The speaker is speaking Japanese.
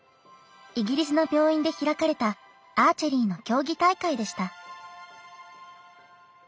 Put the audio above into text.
イギリスの病院で開かれたアーチェリーの競技大会でした。